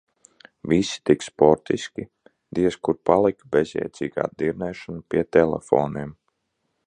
Visi tik sportiski, diez kur palika bezjēdzīgā dirnēšana pie telefoniem.